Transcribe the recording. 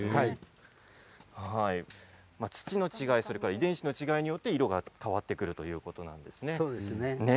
土の違い、遺伝子の違いによって色が変わってくるということなんですね。